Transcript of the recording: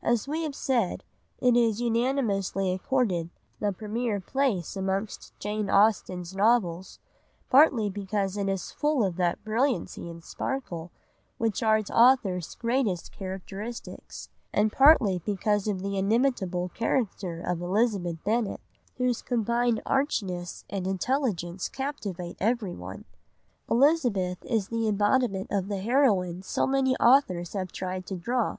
As we have said, it is unanimously accorded the premier place amongst Jane Austen's novels, partly because it is full of that brilliancy and sparkle which are its author's greatest characteristics, and partly because of the inimitable character of Elizabeth Bennet, whose combined archness and intelligence captivate everyone. Elizabeth is the embodiment of the heroine so many authors have tried to draw.